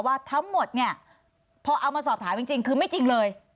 ว่าทั้งหมดเนี่ยพอเอามาสอบถามจริงคือไม่จริงเลย